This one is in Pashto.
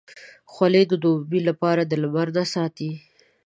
خولۍ د دوبې لپاره د لمر نه ساتي.